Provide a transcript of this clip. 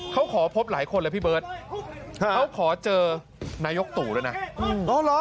เขาขอพบหลายคนเลยพี่เบิร์ตเขาขอเจอนายกตู่ด้วยนะ